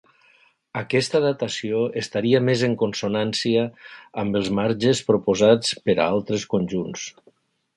Aquesta datació estaria més en consonància amb els marges proposats per a altres conjunts.